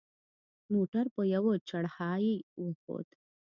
موټر په یوه چړهایي وخوت.